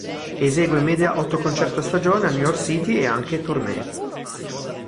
Esegue in media otto concerti a stagione a New York City e anche tournée.